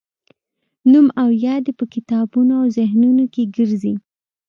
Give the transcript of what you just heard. نوم او یاد یې په کتابونو او ذهنونو کې ګرځي.